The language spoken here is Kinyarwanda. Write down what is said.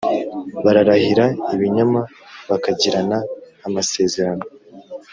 bararahira ibinyoma, bakagirana amasezerano,